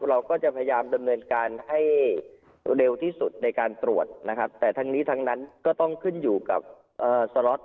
เราก็จะพยายามดำเนินการให้เร็วที่สุดในการตรวจนะครับแต่ทั้งนี้ทั้งนั้นก็ต้องขึ้นอยู่กับสล็อต